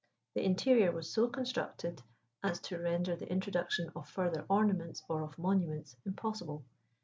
The interior was so constructed as to render the introduction of further ornaments or of monuments impossible.